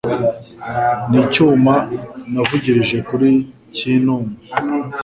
N' icyuma navugirije kuri Cyinuma.